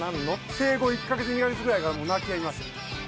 生後１か月２か月ぐらいからもう泣きやみました。